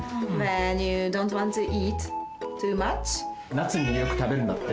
なつによくたべるんだって。